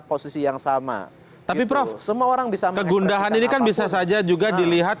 posisi yang sama tapi prof semua orang bisa kegundahan ini kan bisa saja juga dilihat